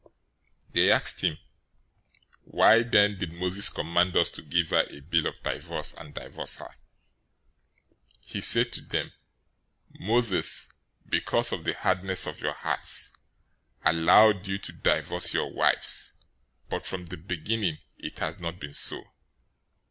019:007 They asked him, "Why then did Moses command us to give her a bill of divorce, and divorce her?" 019:008 He said to them, "Moses, because of the hardness of your hearts, allowed you to divorce your wives, but from the beginning it has not been so.